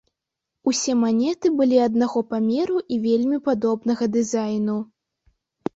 Усе манеты былі аднаго памеру і вельмі падобнага дызайну.